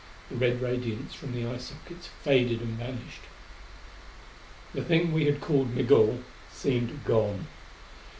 The red radiance from the eye sockets faded and vanished. The thing we had called Migul seemed gone.